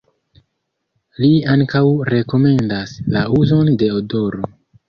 Li ankaŭ rekomendas la uzon de odoro.